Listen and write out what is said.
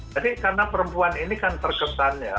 jadi karena perempuan ini kan terkesannya